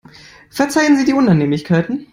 Verzeihen Sie die Unannehmlichkeiten.